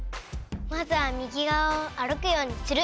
まずは右がわを歩くようにする。